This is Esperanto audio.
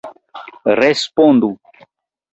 Respondu!